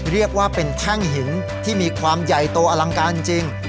เรียกว่าเป็นแท่งหินที่มีความใหญ่โตอลังการจริง